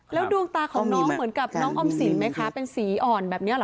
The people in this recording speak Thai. แล้วดวงตาของน้องเหมือนกับน้องออมสินไหมคะเป็นสีอ่อนแบบนี้เหรอ